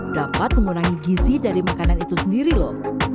dapat mengurangi gizi dari makanan itu sendiri loh